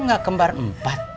bilang kembar empat